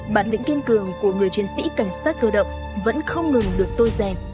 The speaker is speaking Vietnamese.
bản lĩnh kiên cường của người chiến sĩ cảnh sát cơ động vẫn không ngừng được tôi rèn